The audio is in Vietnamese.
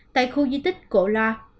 tại khu di tích cổ loa